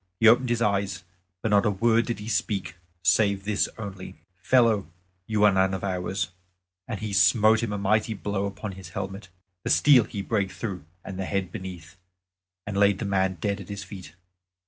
He opened his eyes but not a word did he speak save this only, "Fellow, you are none of ours," and he smote him a mighty blow upon his helmet. The steel he brake through and the head beneath, and laid the man dead at his feet.